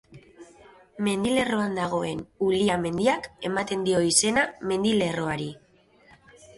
Mendilerroan dagoen Ulia mendiak ematen dio izena mendilerroari.